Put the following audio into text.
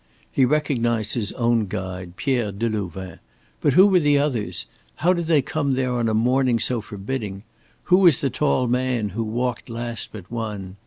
He recognized his own guide, Pierre Delouvain, but who were the others, how did they come there on a morning so forbidding? Who was the tall man who walked last but one?